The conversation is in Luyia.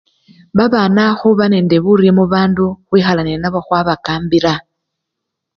Babana khuba nende burye mubandu khwikhala nenabo khwabakambila.